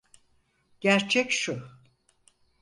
Gerçek şu.